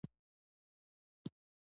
دا ټول د تخیل د ځواک څرګندونه ده.